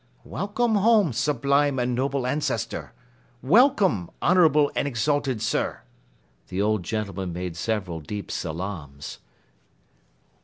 "Welcome home, sublime and noble Ancestor! Welcome, honorable and exalted Sir." The old gentleman made several deep salaams.